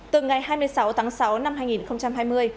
từ ngày hai mươi sáu tháng sáu năm hai nghìn một mươi chín